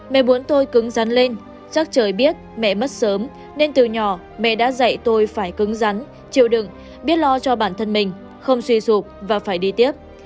mẹ muốn tôi cứng rắn lên chắc trời biết mẹ mất sớm nên từ nhỏ mẹ đã dạy tôi phải cứng rắn chịu đựng biết lo cho bản thân mình không suy sụp và phải đi tiếp